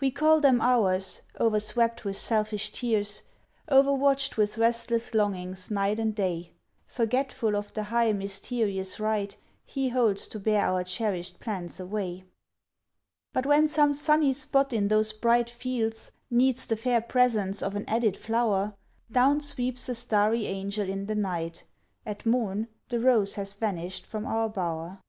We call them ours, o'erwept with selfish tears, O'erwatched with restless longings night and day; Forgetful of the high, mysterious right He holds to bear our cherished plants away. But when some sunny spot in those bright fields Needs the fair presence of an added flower, Down sweeps a starry angel in the night: At morn the rose has vanished from our bower.